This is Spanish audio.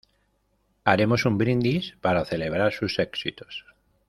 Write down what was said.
Haremos un brindis para celebrar sus éxitos.